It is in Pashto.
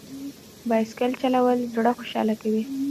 بایسکل چلول زړه خوشحاله کوي.